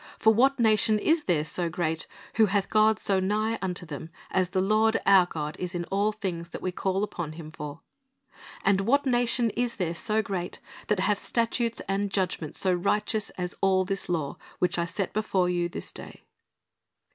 For what nation is there so great, who hath God so nigh unto them, as the Lord our God is in all things that we call upon Him for? And what nation is there so great, that hath statutes and judgments so righteous as all this law, which I set before you this day?"'